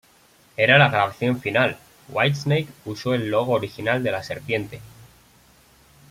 Era la grabación final Whitesnake usó el logo original de la serpiente.